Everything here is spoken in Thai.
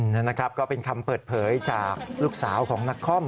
นั่นนะครับก็เป็นคำเปิดเผยจากลูกสาวของนักคอม